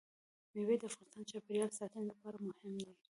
مېوې د افغانستان د چاپیریال ساتنې لپاره مهم دي.